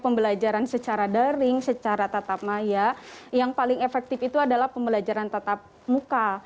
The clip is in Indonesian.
pembelajaran secara daring secara tatap maya yang paling efektif itu adalah pembelajaran tatap muka